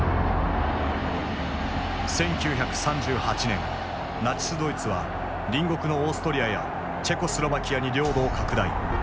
１９３８年ナチスドイツは隣国のオーストリアやチェコスロバキアに領土を拡大。